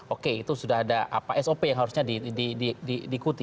oke itu sudah ada sop yang harusnya diikuti